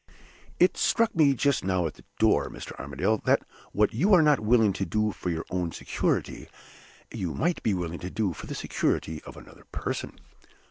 It struck me just now at the door, Mr. Armadale, that what you are not willing to do for your own security, you might be willing to do for the security of another person."